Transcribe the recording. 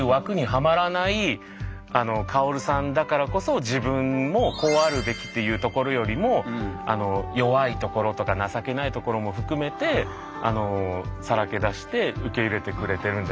だからこそ自分も「こうあるべき」っていうところよりも弱いところとか情けないところも含めてさらけ出して受け入れてくれてるんじゃないかなっていうのは。